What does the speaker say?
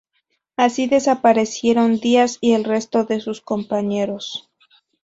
Así desaparecieron Díaz y el resto de sus compañeros.